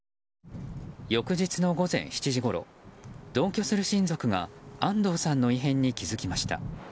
翌日の午前７時ごろ同居する親族が安藤さんの異変に気づきました。